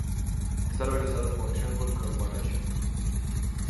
Está organizado por Triangle Corporation.